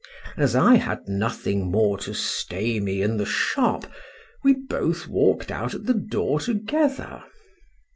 As I had nothing more to stay me in the shop, we both walk'd out at the door together.